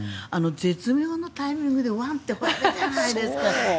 絶妙なタイミングでワンと吠えるじゃないですか。